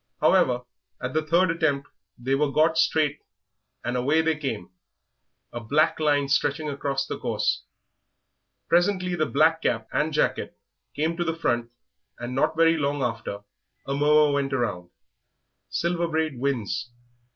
However, at the third attempt they were got straight and away they came, a black line stretching right across the course. Presently the black cap and jacket came to the front, and not very long after a murmur went round, 'Silver Braid wins.'